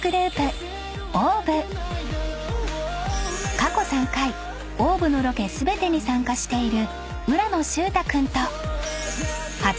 ［過去３回ＯＷＶのロケ全てに参加している］